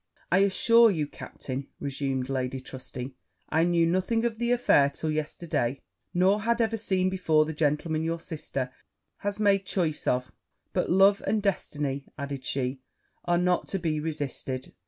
'I assure you, captain,' resumed Lady Trusty, 'I knew nothing of the affair till yesterday, nor had ever seen before the gentleman your sister has made choice of: but love and destiny,' added she, 'are not to be resisted.'